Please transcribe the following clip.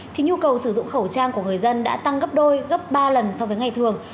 thì nhu cầu sử dụng khẩu trang của người dân đã tăng gấp đôi gấp ba lần so với ngày thường